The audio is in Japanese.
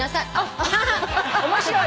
面白い。